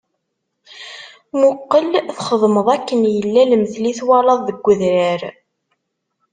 Muqel txedmeḍ akken yella lemtel i twalaḍ deg udrar.